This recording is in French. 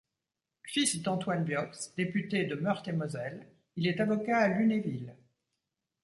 Fils d'Antoine Viox, député de Meurthe-et-Moselle, il est avocat à Lunéville.